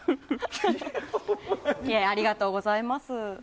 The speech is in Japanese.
ありがとうございます。